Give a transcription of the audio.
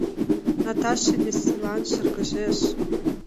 Наташа веселан шыргыжеш.